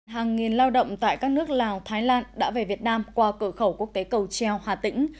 hàng nghìn lao động tại các nước lào thái lan đã về việt nam qua cửa khẩu quốc tế cầu treo hà tĩnh